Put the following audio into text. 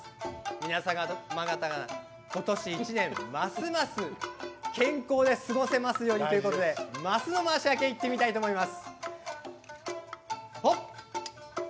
皆様方が今年１年、ますます健康で過ごせますようにと升の回し分けいってみたいと思います。